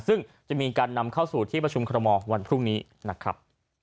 ซึ่งจะมีการนำเข้าสู่ที่ประชุมคอรมอลวันพรุ่งนี้นะครับ